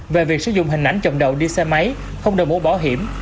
về việc sử dụng hình ảnh chồng đầu đi xe máy không đổi mũ bảo hiểm